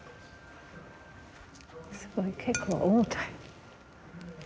すごい結構重たい。